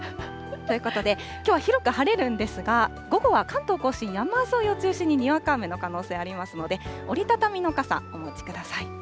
ということで、きょうは広く晴れるんですが、午後は関東甲信、山沿いを中心ににわか雨の可能性ありますので、折り畳みの傘お持ちください。